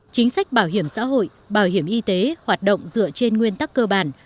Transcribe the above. chính sách bảo hiểm xã hội bảo hiểm y tế hoạt động dựa trên nguyên tắc cơ bản